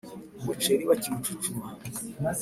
umuceri bakiwucucuma